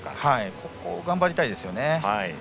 ここ頑張りたいですね。